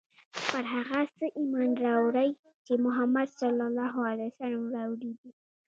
پر هغه څه ایمان راوړی چې محمد ص راوړي دي.